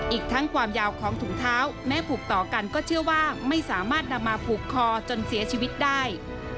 อีกทั้งความยาวของถุงเท้าแม้ผูกต่อกันก็เชื่อว่าไม่สามารถนำมาผูกคอจนเสียชีวิตได้